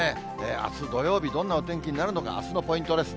あす土曜日、どんなお天気になるのか、あすのポイントです。